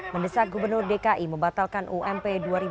mendesak gubernur dki membatalkan ump dua ribu dua puluh